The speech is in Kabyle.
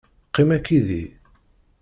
Qqim akked-i.